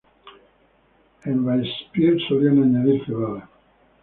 En Vallespir solían añadir cebada.